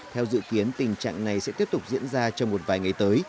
theo dự kiến tình trạng này sẽ tiếp tục diễn ra trong một vài ngày tới